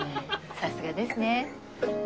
さすがですね。